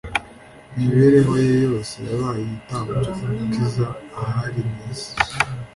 Imibereho ye yose yabaye igitambo cyo gukiza ahari mu isi.